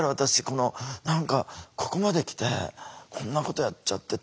この何かここまで来てこんなことやっちゃってて」。